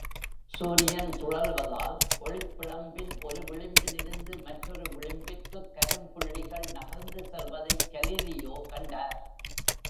சூரியன் சுழல்வதால், ஒளிப்பிழம்பின் ஒரு விளிம்பில் இருந்து மற்றொரு விளிம்பிற்குக் கரும்புள்ளிகள் நகர்ந்து செல்வதைக் கலீலியோ கண்டார்.